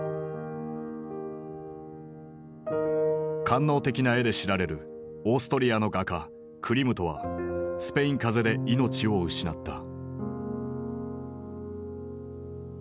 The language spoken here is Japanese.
官能的な絵で知られるオーストリアの画家クリムトはスペイン風邪で命を失った。